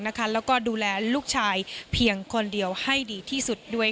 แล้วก็ดูแลลูกชายเพียงคนเดียวให้ดีที่สุดด้วย